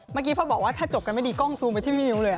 เมื่อกี้พอบอกว่าถ้าจบกันไม่ดีกล้องซูมไปที่พี่มิ้วเลย